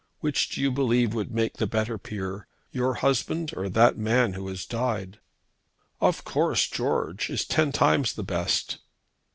Which do you believe would make the better peer; your husband or that man who has died?" "Of course George is ten times the best."